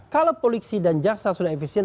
kalau polisi dan jaksa sudah efisien